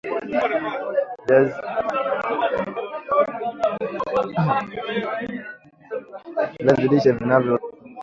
viazi lishe vinavirutubishi vya karotenoids ambazo husaidia kurekebisha sukari mwilini